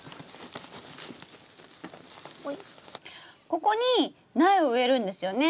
ここに苗を植えるんですよね？